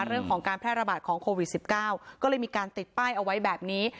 เรื่องของการแพร่ระบาดของโควิด๑๙ก็เลยมีการติดป้ายเอาไว้แบบนี้